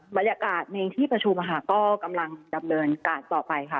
บรรยากาศในที่ประชุมก็กำลังดำเนินการต่อไปค่ะ